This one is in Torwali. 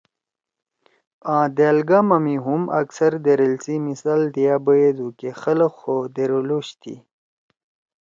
آں دأل گاما می ہوم اکثر دیریل سی مثال دیا بیَدُو کہ خلق خو دیریلوش تھی ۔